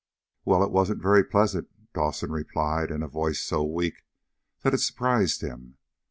"Well, it wasn't very pleasant," Dawson replied in a voice so weak that it surprised him.